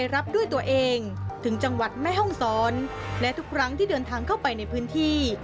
และทุกครั้งที่เดินทางเข้าไปในพื้นที่